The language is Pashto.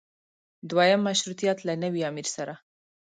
دویم مشروطیت له نوي امیر سره.